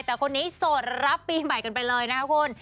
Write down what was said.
แต่คนนี้โสดรับปีใหม่กันไปเลยนะคะคุณ